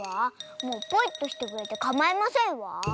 もうポイっとしてくれてかまいませんわ。